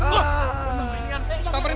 ah sama ian